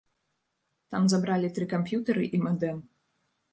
Там забралі тры камп'ютары і мадэм.